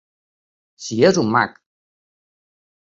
Si és un mag...